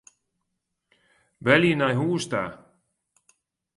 Belje nei hûs ta.